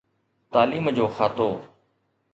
تعليم جو کاتو.